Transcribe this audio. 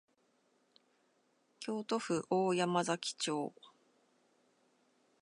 京都府大山崎町